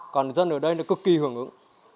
còn dân ở đây nó cực kỳ hưởng ứng